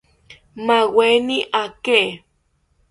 Maaweni aake